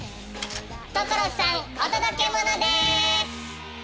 所さんお届けモノです！